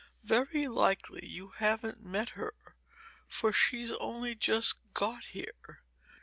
"Very likely you haven't met her, for she's only just got here.